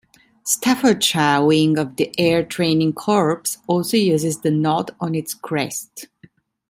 Staffordshire wing of the Air Training Corps also uses the knot on it's crest.